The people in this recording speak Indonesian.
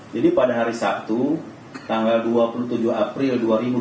jadi pada hari sabtu tanggal dua puluh tujuh april dua ribu dua puluh empat